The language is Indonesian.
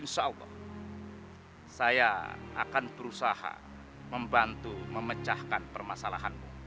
insya allah saya akan berusaha membantu memecahkan permasalahanmu